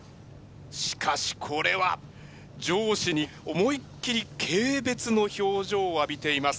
しかしこれは上司に思いっ切り軽蔑の表情を浴びています。